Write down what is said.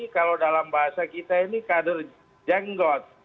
kalau dalam bahasa kita ini kader jenggot